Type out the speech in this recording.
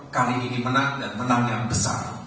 kali ini menang dan menang yang besar